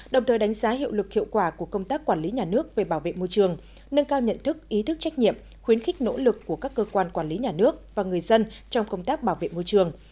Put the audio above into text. đồng thời đánh giá hiệu lực hiệu quả của công tác quản lý nhà nước về bảo vệ môi trường nâng cao nhận thức ý thức trách nhiệm khuyến khích nỗ lực của các cơ quan quản lý nhà nước và người dân trong công tác bảo vệ môi trường